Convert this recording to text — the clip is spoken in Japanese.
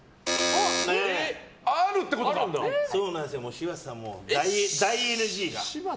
柴田さん、大ＮＧが。